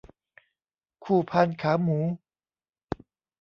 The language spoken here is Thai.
คู่พานขาหมู